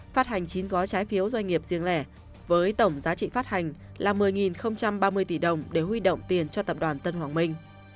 phát hành chín gói trái phiếu doanh nghiệp riêng lẻ với tổng giá trị phát hành là một mươi ba mươi tỷ đồng để huy động tiền cho tập đoàn tân hoàng minh